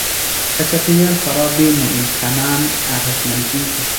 که چاپیریال خراب وي نو انسانان اغېزمن کیږي.